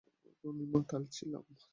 আমি মাতাল ছিলাম!